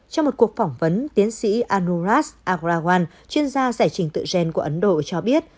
trong một cuộc phỏng vấn tiến sĩ anuras agrawan chuyên gia giải trình tự gen của ấn độ cho biết